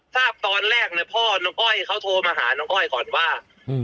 ทราบตอนแรกเลยพ่อน้องอ้อยเขาโทรมาหาน้องอ้อยก่อนว่า